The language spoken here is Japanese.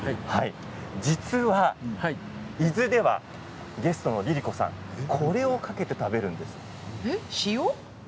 実は伊豆地方ではゲストのＬｉＬｉＣｏさんこちらをかけて食べるんですよ。